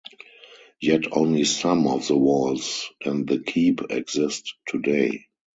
Yet only some of the walls and the keep exist today.